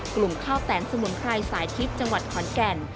กลุ่มข้าวแตนสมุนไพรสายทิพย์จังหวัดขอนแก่น